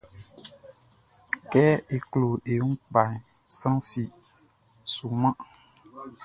Kɛ e klo e wun kpaʼn, sran fi sunman.